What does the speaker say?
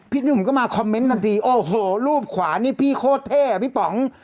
หนุ่มก็มาคอมเมนต์ทันทีโอ้โหรูปขวานี่พี่โคตรเท่อ่ะพี่ป๋อง